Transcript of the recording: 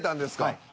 はい。